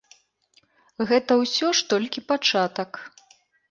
Гэта ўсё ж толькі пачатак.